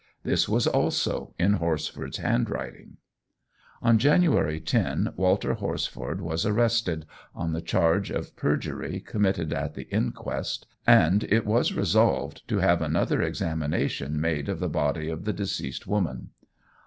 This was also in Horsford's handwriting. On January 10, Walter Horsford was arrested on the charge of perjury committed at the inquest, and it was resolved to have another examination made of the body of the deceased woman.